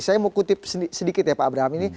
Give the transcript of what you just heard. saya mau kutip sedikit ya pak abraham ini